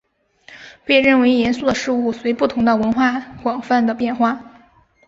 被认为严肃的事物随不同的文化广泛地变化。